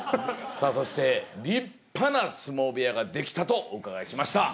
さあそして立派な相撲部屋ができたとお伺いしました。